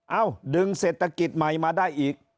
ดึงเศรษฐกิจใหม่มาได้อีก